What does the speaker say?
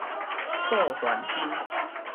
素還真